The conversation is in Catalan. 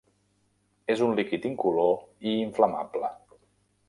És un líquid incolor i inflamable.